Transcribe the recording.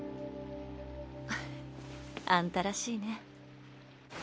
ふふっあんたらしいね。